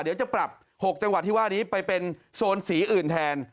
เดี๋ยวจะปรับ๖จังหวัดที่ว่านี้ไปเป็นโซนสีอื่นแทน